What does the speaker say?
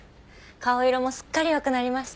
顔色もすっかり良くなりました。